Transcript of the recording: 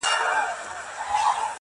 خوب كي گلونو ســـره شپـــــې تېــروم~